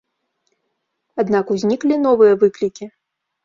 Аднак узніклі новыя выклікі.